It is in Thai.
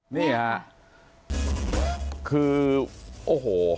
นี่ฮะคือโอโห